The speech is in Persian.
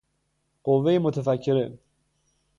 قوهُ متفکره